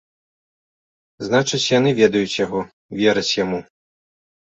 Значыць, яны ведаюць яго, вераць яму.